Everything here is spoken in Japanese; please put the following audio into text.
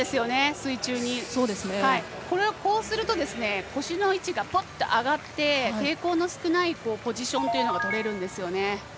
水中に、こうすると腰の位置が上がって抵抗の少ないポジションが取れるんですよね。